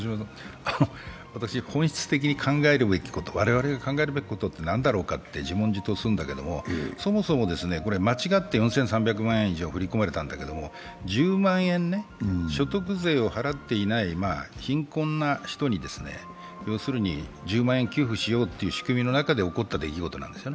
私、本質的に我々が考えるべきことって何だろうかって、自問自答するんだけれども、そもそも、これ間違って４３００万円以上、振り込まれたんだけど１０万円、所得税を払っていない貧困な人に、１０万円を給付しようという仕組みの中で起こった出来事なんです。